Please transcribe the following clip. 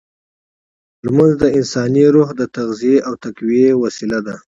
لمونځ د انساني روح د تغذیې او تقویې وسیله ده.